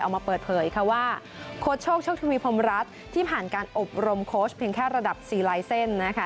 ออกมาเปิดเผยค่ะว่าโค้ชโชคโชคทวีพรมรัฐที่ผ่านการอบรมโค้ชเพียงแค่ระดับ๔ลายเส้นนะคะ